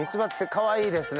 かわいいです。